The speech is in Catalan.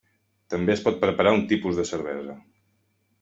També es pot preparar un tipus de cervesa.